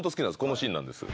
このシーンなんです。